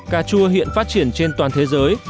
cà chua hiện phát triển trên toàn thế giới